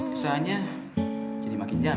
kesannya jadi makin jantan